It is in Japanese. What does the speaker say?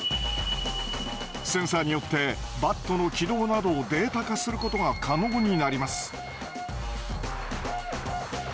センサーによってバットの軌道などをデータ化することが可能になります。